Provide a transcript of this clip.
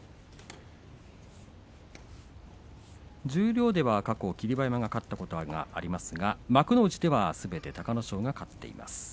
十両では過去霧馬山が勝ったことはありますが、幕内ではすべて隆の勝が勝っています。